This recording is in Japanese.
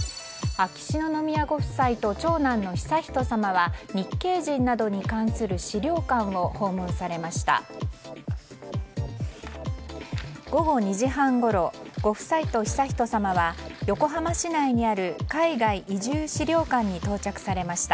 秋篠宮ご夫妻と長男の悠仁さまは日系人などに関する資料館を訪問されました。